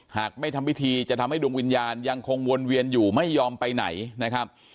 หากไม่ทำพิธีจะทำให้ดวงวิญญาณยังคงวนเวียนอยู่ไม่ยอมไปไหนนะครับ